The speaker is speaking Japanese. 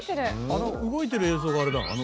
あの動いてる映像があれだ。